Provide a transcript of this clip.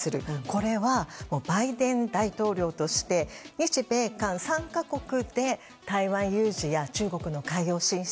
これはバイデン大統領として日米韓３か国で台湾有事や中国の海洋進出